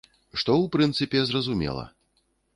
Што, у прынцыпе, зразумела.